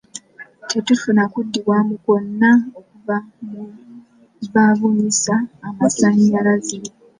Tetufuna kuddibwamu kwonna okuva nu babunyisa amasannyalaze.